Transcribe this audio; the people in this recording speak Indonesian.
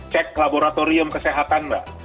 cek laboratorium kesehatan mbak